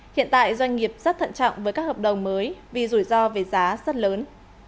hiện tại doanh nghiệp rất thận trọng với các hợp đồng mới vì rủi ro về giá rất lớn